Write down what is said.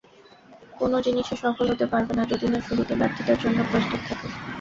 কোনো জিনিসে সফল হতে পারবে না, যদি না শুরুতে ব্যর্থতার জন্য প্রস্তুত থাকো।